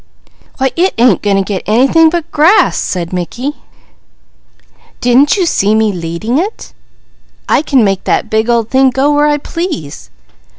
"Why it ain't going to get anything but grass!" said Mickey. "Didn't you see me leading it? I can make that big old thing go where I please.